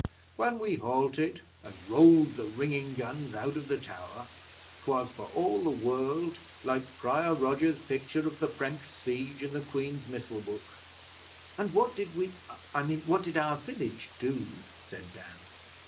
When we halted and rolled the ringing guns out of the tower, 'twas for all the world like Friar Roger's picture of the French siege in the Queen's Missal book.' 'And what did we I mean, what did our village do?' said Dan.